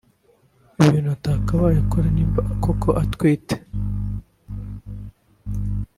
ibintu atakabaye akora niba koko atwite